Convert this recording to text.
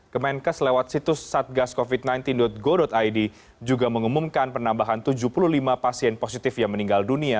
kemenkes lewat situs satgascovid sembilan belas go id juga mengumumkan penambahan tujuh puluh lima pasien positif yang meninggal dunia